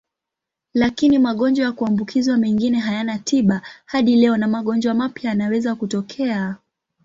Lakini magonjwa ya kuambukizwa mengine hayana tiba hadi leo na magonjwa mapya yanaweza kutokea.